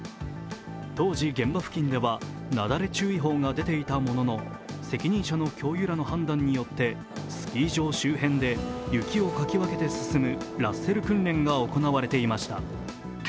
当時、現場付近ではなだれ注意報が出ていたものの責任者の教諭らの判断によってスキー場周辺で雪をかき分けて進むラッセル訓練が行われていました。